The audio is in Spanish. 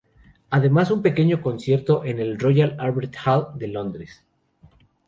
Además un pequeño concierto en el "Royal Albert Hall" de Londres.